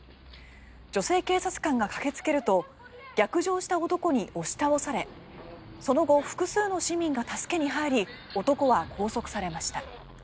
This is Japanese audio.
女性警察官が駆けつけると逆上した男に押し倒されその後、複数の市民が助けに入り男は拘束されました。